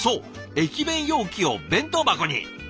駅弁容器を弁当箱に。